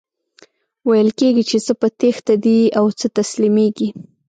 ویل کیږي چی څه په تیښته دي او څه تسلیمیږي.